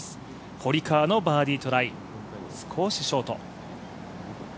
堀川のバーディートライ、少しショート。